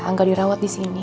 angga dirawat di sini